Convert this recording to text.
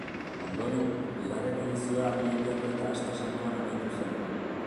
Ondoren, bigarren edizioa abian jarri eta Aste Santuan amaitu zen.